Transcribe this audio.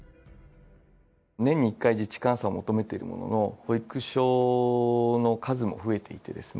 年に１回実地監査を求めているものの保育所の数も増えていてですね